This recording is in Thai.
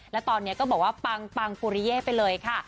และตอนนี้ก็บอกว่าปังปุริเย่ไปเลยค่ะ